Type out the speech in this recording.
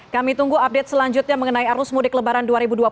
kami tunggu update selanjutnya mengenai arus mudik lebaran dua ribu dua puluh satu